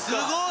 すごい！